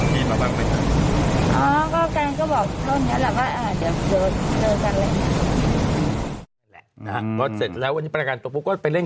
มีร่างใบเก่ง